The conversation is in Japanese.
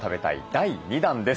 第２弾」です。